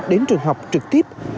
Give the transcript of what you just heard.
đến trường học trực tiếp